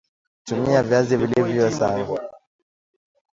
tumia Viazi vilivyosagwa